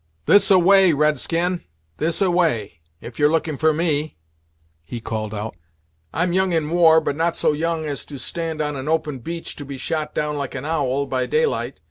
"This a way, red skin; this a way, if you're looking for me," he called out. "I'm young in war, but not so young as to stand on an open beach to be shot down like an owl, by daylight.